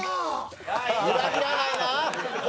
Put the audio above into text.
裏切らないなあ。